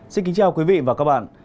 xin kính chào quý vị và các bạn